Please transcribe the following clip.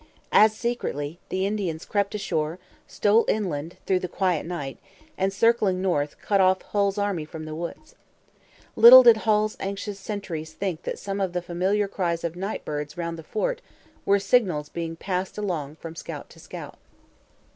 As secretly, the Indians crept ashore, stole inland through the quiet night, and, circling north, cut off Hull's army from the woods. Little did Hull's anxious sentries think that some of the familiar cries of night birds round the fort were signals being passed along from scout to scout.